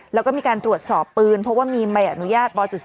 แล้วก็มีการตรวจสอบปืนเพราะว่ามีใบอนุญาตบ๒